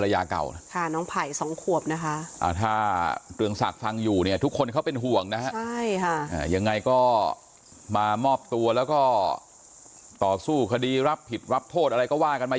ยังไงก็มามอบตัวแล้วก็ต่อสู้คดีรับผิดรับโทษอะไรก็ว่ากันไหม